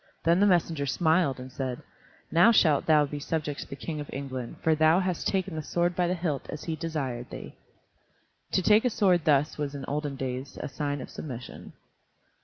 Then the messenger smiled and said, "Now shalt thou be subject to the King of England, for thou hast taken the sword by the hilt as he desired thee." To take a sword thus was in those olden days a sign of submission.